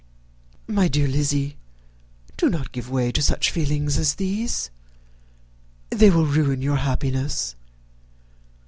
"My dear Lizzy, do not give way to such feelings as these. They will ruin your happiness.